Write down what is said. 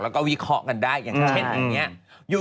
แล้วก็วิเคราะห์กันได้อย่างเช่นอย่างนี้